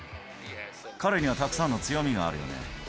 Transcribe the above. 彼にはたくさんの強みがあるよね。